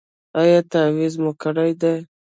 ایا تعویذ مو کړی دی؟